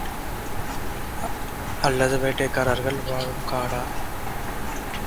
அல்லது வேட்டைக்காரர்கள் வாழும் காடா?